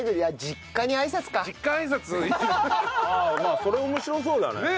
あそれ面白そうだね。